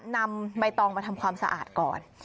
นำใบตองมาทำความสะอาดก่อน